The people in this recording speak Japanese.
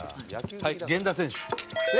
はい源田選手。